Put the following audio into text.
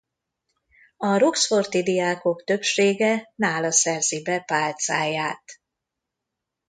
A roxforti diákok többsége nála szerzi be pálcáját.